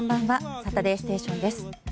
「サタデーステーション」です。